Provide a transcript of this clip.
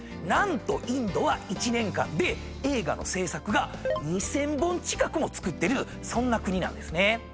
何とインドは１年間で映画の製作が２，０００本近くも作ってるそんな国なんですね。